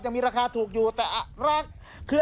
ยังมีราคาถูกอยู่แต่รักคือ